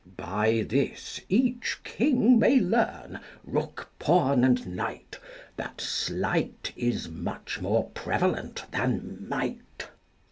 By this each king may learn, rook, pawn, and knight, That sleight is much more prevalent than might.